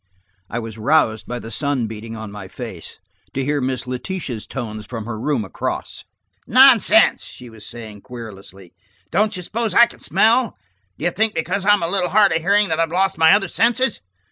I was roused by the sun beating on my face, to hear Miss Letitia's tones from her room across. "Nonsense," she was saying querulously. "Don't you suppose I can smell? Do you think because I'm a little hard of hearing that I've lost my other senses?